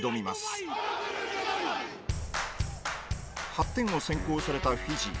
８点を先行されたフィジー。